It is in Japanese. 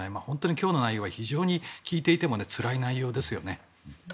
今日の内容は本当に聞いていてもつらい内容ですよね。